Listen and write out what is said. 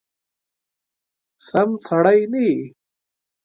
سم سړی نه یې !